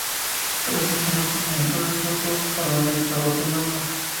Tras el derrocamiento de Soto, Palma regresó a Guatemala.